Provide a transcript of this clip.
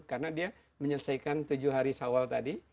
karena dia menyelesaikan tujuh hari sawal tadi